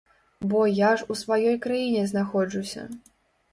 Бо я ж у сваёй краіне знаходжуся!